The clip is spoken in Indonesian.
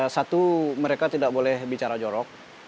satu mereka tidak boleh bicara jorok